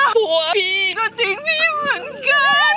ผัวพี่ก็ทิ้งไว้เหมือนกัน